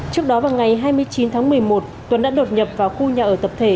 trước đó vào ngày hai mươi chín tháng một mươi một tuấn đã đột nhập vào khu nhà ở tập thể